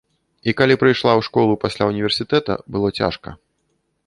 І калі прыйшла ў школу пасля ўніверсітэта, было цяжка.